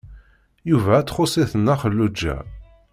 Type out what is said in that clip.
Yuba ad ttxuṣ-it Nna Xelluǧa.